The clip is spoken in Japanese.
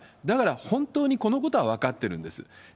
だから本当にこのことは分かってるんです。